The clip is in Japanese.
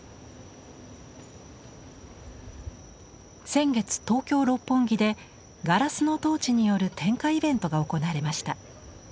先月東京・六本木でガラスのトーチによる点火イベントが行われました。